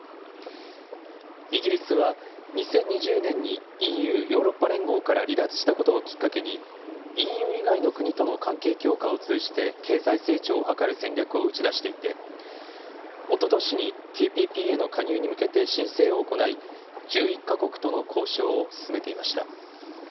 イギリスは、２０２０年にＥＵ・ヨーロッパ連合から離脱したことをきっかけに、ＥＵ以外の国との関係強化を通じて経済成長を図る戦略を打ち出していて、おととしにＴＰＰへの加入に向けて申請を行い、１１か国との交渉を進めていました。